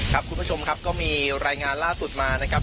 คุณผู้ชมครับก็มีรายงานล่าสุดมานะครับ